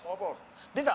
「出た！